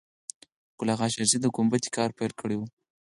ګل آغا شېرزی د ګومبتې کار پیل کړی و.